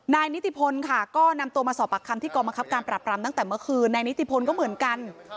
นิติพลค่ะก็นำตัวมาสอบปากคำที่กรมคับการปรับปรามตั้งแต่เมื่อคืนนายนิติพลก็เหมือนกัน